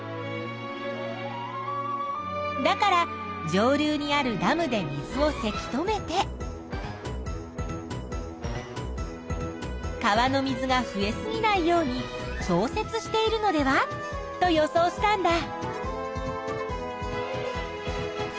だから上流にあるダムで水をせき止めて川の水が増えすぎないように調節しているのではと予想したんだ。